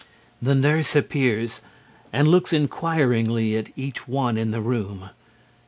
] The nurse appears, and looks inquiringly at each one in the room.